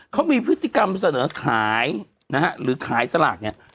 เขามีพฤติกรรมเสนอขายนะฮะหรือขายสลากเนี่ย